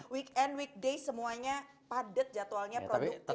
weekend weekday semuanya padat jadwalnya produktif